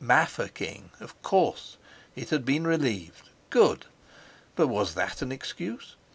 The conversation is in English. Mafeking! Of course, it had been relieved! Good! But was that an excuse?